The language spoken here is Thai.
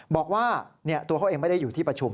บอกว่าตัวเขาเองไม่ได้อยู่ที่ประชุม